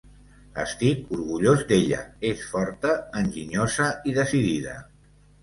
"Estic orgullós d'ella; és forta, enginyosa i decidida".